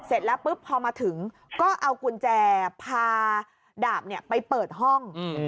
เสร็จแล้วปุ๊บพอมาถึงก็เอากุญแจพาดาบไปเปิดห้อง